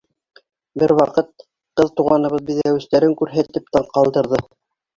Бер ваҡыт ҡыҙ туғаныбыҙ биҙәүестәрен күрһәтеп таң ҡалдырҙы.